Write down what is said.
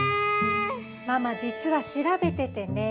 ママじつはしらべててね。